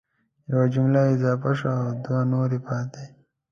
یوه جمله اضافه شوه او دوه نورې پاتي